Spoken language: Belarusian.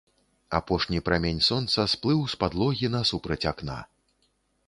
Апошні прамень сонца сплыў з падлогі насупраць акна.